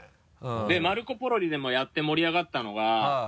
「マルコポロリ！」でもやって盛り上がったのが。